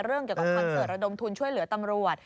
เกี่ยวกับคอนเสิร์ตระดมทุนช่วยเหลือตำรวจ